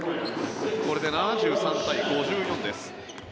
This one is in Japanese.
これで７３対５４です。